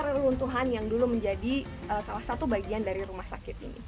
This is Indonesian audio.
sisa sisa reluntuhan yang dulu menjadi salah satu bagian dari rumah sakit ini